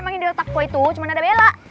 emang ini otak gue itu cuman ada bella